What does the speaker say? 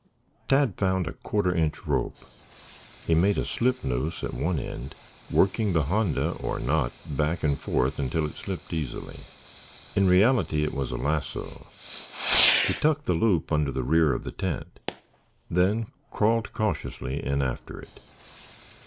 Tad found a quarter inch rope. He made a slip noose at one end, working the honda or knot back and forth until it slipped easily. In reality it was a lasso. He tucked the loop under the rear of the tent, then crawled cautiously in after it.